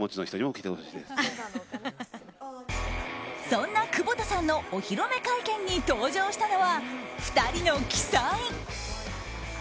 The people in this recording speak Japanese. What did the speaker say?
そんな久保田さんのお披露目会見に登場したのは２人の鬼才。